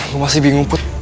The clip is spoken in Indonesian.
lo masih bingung put